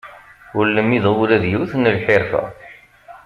Ur lmideɣ ula d yiwet n lḥirfa.